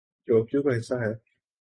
Tokyo کا حصہ ہے